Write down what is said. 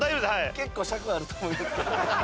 結構尺あると思いますけど。